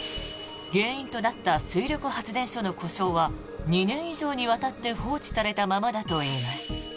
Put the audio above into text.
原因となった水力発電所の故障は２年以上にわたって放置されたままだといいます。